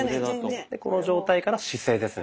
この状態から姿勢ですね